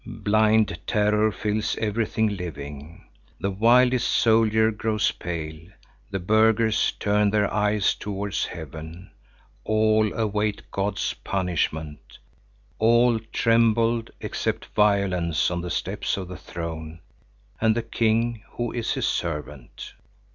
Blind terror fills everything living. The wildest soldier grows pale; the burghers turn their eyes towards heaven; all await God's punishment; all tremble except Violence on the steps of the throne and the king who is his servant.